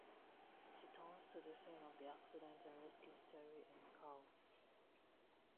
She returns to the scene of the accident and rescues Teri and Cal.